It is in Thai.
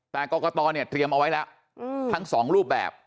แต่กรกตเนี่ยเตรียมเอาไว้แล้วทั้งสองรูปแบบ